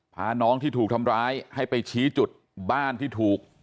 พาน้องที่ถูกทำร้ายให้ไปชี้จุดบ้านที่ถูก